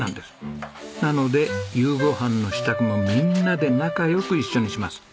なので夕ご飯の支度もみんなで仲良く一緒にします。